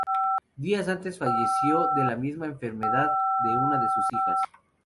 Días antes falleció de la misma enfermedad una de sus hijas.